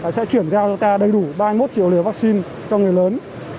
sẽ chuyển giao cho ta đầy đủ ba mươi một triệu liều vaccine cho người lớn